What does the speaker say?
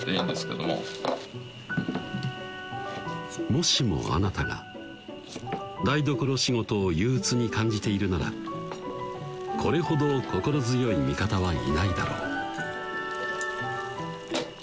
もしもあなたが台所仕事を憂うつに感じているならこれほど心強い味方はいないだろう